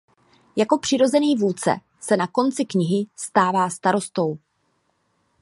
Jako přirozený vůdce se na konci knihy stává starostou.